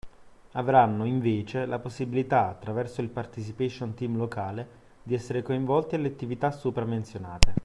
Avranno, invece, la possibilità, attraverso il participation team locale, di esser coinvolti alle attività sopra menzionate.